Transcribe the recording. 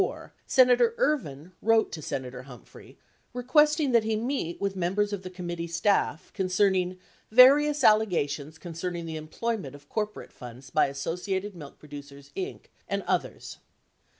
871 On January 24, 1974 Senator Ervin wrote to Senator Humphrey requesting that he meet with members of the committee statf concern ing "various allegations concerning the employment of corporate funds by Associated Milk Producers, Inc., and others."